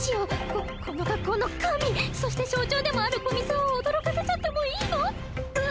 こっこの学校の神そして象徴でもある古見さんを驚かせちゃってもいいの？わ